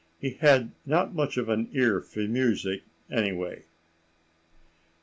He had not much of an ear for music, any way.